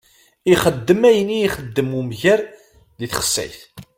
Ixeddem ayen i ixeddem umger di texsayt.